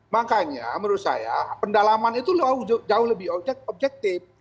makanya menurut saya pendalaman itu jauh lebih objektif